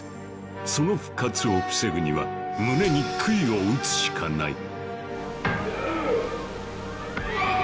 その復活を防ぐには胸に杭を打つしかない。